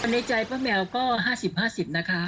ในใจป้าแมวก็๕๐๕๐นะคะ